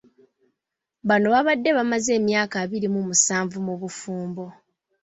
Bano babadde bamaze emyaka abiri mu musanvu mu bufumbo.